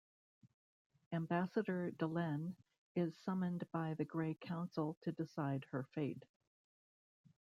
Ambassador Delenn is summoned by the Grey Council to decide her fate.